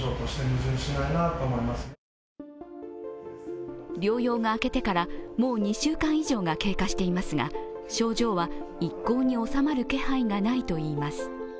更に療養が明けてからもう２週間以上が経過していますが、症状は一向に収まる気配がないといいます。